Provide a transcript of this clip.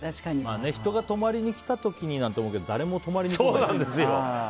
人が泊まりに来た時になんて思うけど誰も泊まりに来ない。